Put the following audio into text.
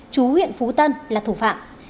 chú huyện phú tân là thủ phạm